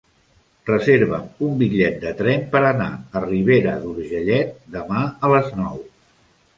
Reserva'm un bitllet de tren per anar a Ribera d'Urgellet demà a les nou.